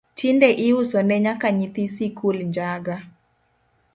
Tinde iusone nyaka nyithii sikul njaga